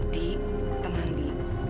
di tenang di